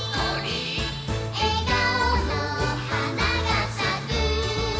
「えがおのはながさく」